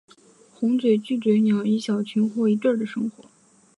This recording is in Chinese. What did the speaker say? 红嘴巨嘴鸟以小群或一对的生活。